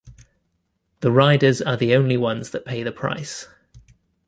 The riders are the only ones that pay the price.